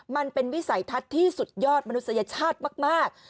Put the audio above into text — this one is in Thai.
วิสัยทัศน์ที่สุดยอดมนุษยชาติมาก